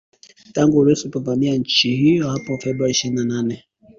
tangu Urusi ilipoivamia nchi hiyo hapo Februari ishirini na nne